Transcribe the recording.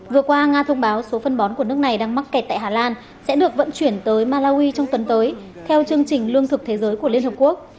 vừa qua nga thông báo số phân bón của nước này đang mắc kẹt tại hà lan sẽ được vận chuyển tới malawi trong tuần tới theo chương trình lương thực thế giới của liên hợp quốc